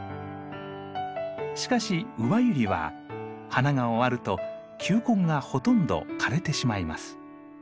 しかしウバユリは花が終わると球根がほとんど枯れてしまいます。